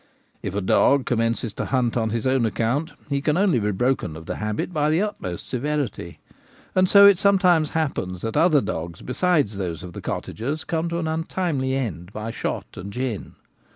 If a dog commences to hunt on his own account, he can only be broken of the habit by the utmost severity ; and so it sometimes happens that other dogs besides those of the cottagers come to an untimely end by shot and gin.